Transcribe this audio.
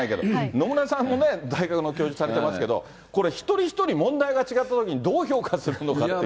野村さんも大学の教授されてますけど、これ、一人一人、問題が違ったときに、どう評価するのかって。